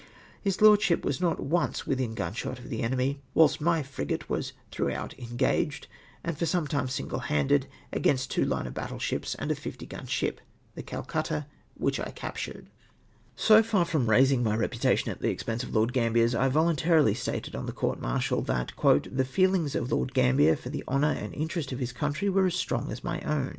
His lordship was not once within gunshot of the enemy, whilst my frigate was throughout engaged, and for some time single handed, against two line of battle ships, and a fifty gun ship, the Ccdcutta, which I captured. * See vol. i. p. 407. ASSUMES THAT I AM STILL UiVDER HIS COMMAND. 95 So for from " raising my reputation at the expense of Lord Gambier's," I voluntarily stated on the court martial, that "the feehngs of Lord Gambler for the honour and interest of his country were as strong as my own."